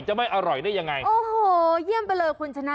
จะไม่อร่อยได้ยังไงโอ้โหเยี่ยมไปเลยคุณชนะ